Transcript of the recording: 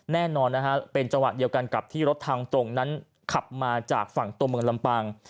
แน่นอนนะฮะเป็นจังหวะเดียวกันกับที่รถทางตรงนั้นขับมาจากฝั่งตัวเมืองลำปาง